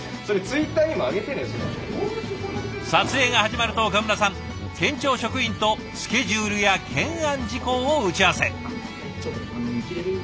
撮影が始まると岡村さん県庁職員とスケジュールや懸案事項を打ち合わせ。